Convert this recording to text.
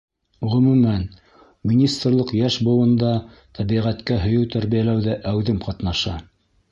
Ғөмүмән, министрлыҡ йәш быуында тәбиғәткә һөйөү тәрбиәләүҙә әүҙем ҡатнаша.